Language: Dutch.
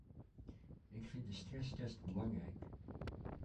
Ik vind de stresstest belangrijk.